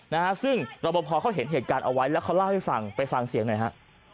นะฮะซึ่งรับประพอเขาเห็นเหตุการณ์เอาไว้แล้วเขาเล่าให้ฟังไปฟังเสียงหน่อยฮะ